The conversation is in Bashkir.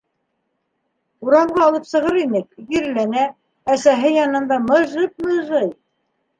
Урамға алып сығыр инек, киреләнә, әсәһе янында мыжып-мыжый.